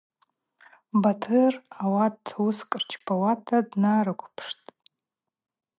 Батыр ауат уыскӏ рчпауата днарыквпштӏ.